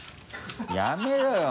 やめろよ